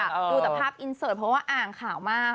ดูแต่ภาพอินเสิร์ตเพราะว่าอ่างข่าวมาก